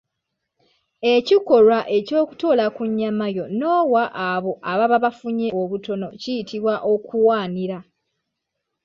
Ekikolwa ekyokutoola ku nnyamayo n’owa abo ababa bafunye obutono kiyitibwa Okuwaanira.